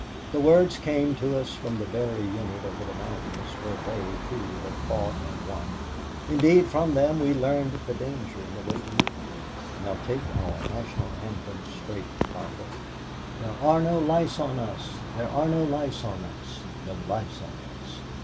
The words came to us from the Berry unit over the mountain where they, too, have fought and won indeed from them we learned the danger and the way to meet it. Now take our National Anthem straight, Father: "There are no lice on us, There are no lice on us, No lice on us.